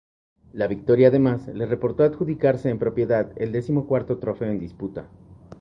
La victoria además le reportó adjudicarse en propiedad el decimocuarto trofeo en disputa.